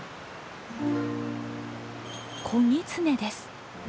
子ギツネです。